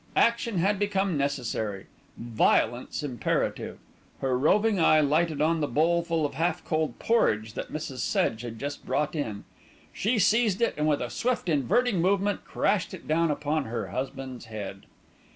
Action had become necessary, violence imperative. Her roving eye lighted on the bowl full of half cold porridge that Mrs. Sedge had just brought in. She seized it and, with a swift inverting movement, crashed it down upon her husband's head.